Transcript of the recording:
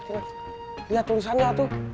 ini tulisannya tuh